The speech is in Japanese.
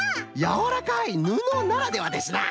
やわらかいぬのならではですな！